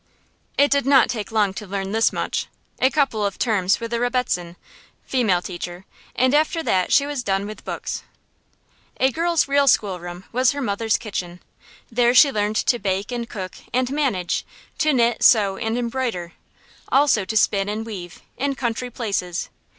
It did not take long to learn this much, a couple of terms with a rebbetzin (female teacher), and after that she was done with books. A girl's real schoolroom was her mother's kitchen. There she learned to bake and cook and manage, to knit, sew, and embroider; also to spin and weave, in country places.